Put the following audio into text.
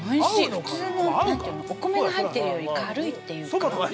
普通のお米が入ってるより軽いっていうか。